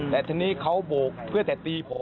แต่ทีนี้เขาโบกเพื่อจะตีผม